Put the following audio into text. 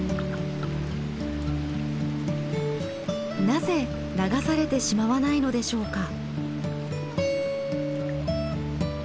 なぜ流されてしまわないのでしょうか？